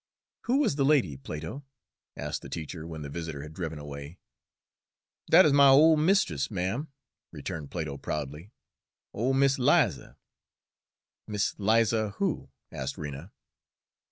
"Who was the lady, Plato?" asked the teacher when the visitor had driven away. "Dat 'uz my ole mist'iss, ma'm," returned Plato proudly, "ole Mis' 'Liza." "Mis' 'Liza who?" asked Rena.